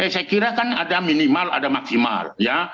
saya kira kan ada minimal ada maksimal ya